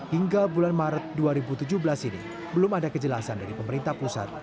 hingga bulan maret dua ribu tujuh belas ini belum ada kejelasan dari pemerintah pusat